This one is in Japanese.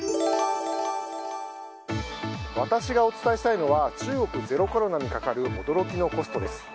私がお伝えしたいのは中国ゼロコロナにかかる驚きのコストです。